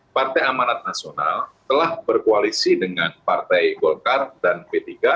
partai amanat nasional telah berkoalisi dengan partai golkar dan p tiga